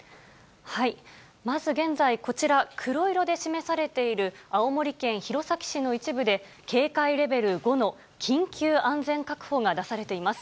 まず現在、こちら、黒色で示されている青森県弘前市の一部で、警戒レベル５の緊急安全確保が出されています。